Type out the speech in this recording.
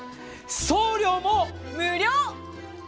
送料も無料！